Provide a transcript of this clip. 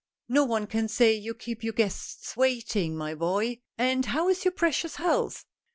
" No one can say you keep your guests waiting, my boy. And how is your precious health